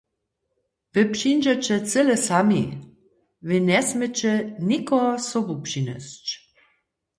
Wy přińdźeće cyle sami, wy njesměće nikoho sobu přinjesć.